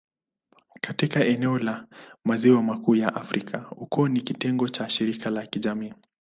Katika eneo la Maziwa Makuu ya Afrika, ukoo ni kitengo cha shirika la kijamii.